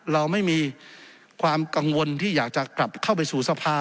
เราไม่มีความกังวลที่อยากจะกลับเข้าไปสู่สภา